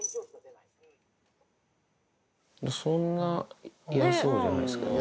そんな嫌そうじゃないですけどね。